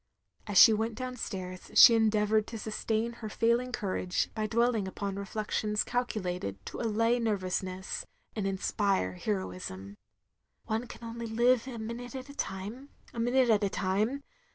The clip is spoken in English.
As she went down stairs she endeavoured to sustain her failing cotirage by ^dwelling upon reflections calculated to allay nervousness, and inspire heroism. "One can only live a minute at a time — a. minute at a time.